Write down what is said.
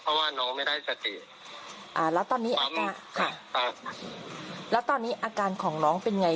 เพราะว่าน้องไม่ได้สติอ่าแล้วตอนนี้ออกมาค่ะครับแล้วตอนนี้อาการของน้องเป็นไง